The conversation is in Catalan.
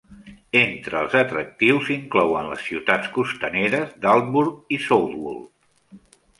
Entre els atractius, s'inclouen les ciutats costaneres d'Aldeburgh i Southwold.